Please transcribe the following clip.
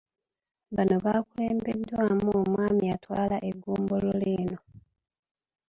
Bano bakulembeddwamu omwami atwala eggombolola eno.